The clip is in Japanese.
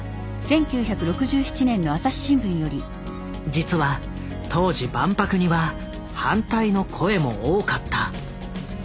実は当時万博には反対の声も多かった。